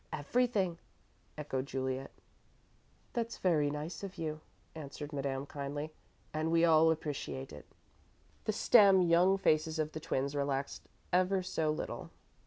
"Everything," echoed Juliet. "That's very nice of you," answered Madame, kindly, "and we all appreciate it." The stem young faces of the twins relaxed ever so little.